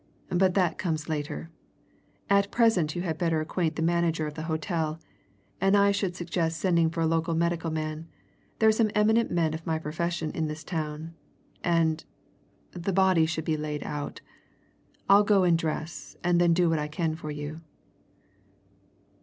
But that comes later at present you had better acquaint the manager of the hotel, and I should suggest sending for a local medical man there are some eminent men of my profession in this town. And the body should be laid out. I'll go and dress, and then do what I can for you."